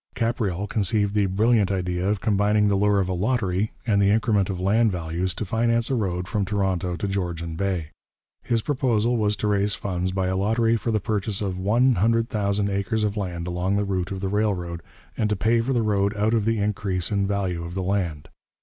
Capreol conceived the brilliant idea of combining the lure of a lottery and the increment of land values to finance a road from Toronto to Georgian Bay. His proposal was to raise funds by a lottery for the purchase of 100,000 acres of land along the route of the railroad, and to pay for the road out of the increase in the value of the land.